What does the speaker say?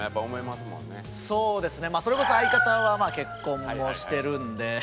まあそれこそ相方は結婚もしてるんで。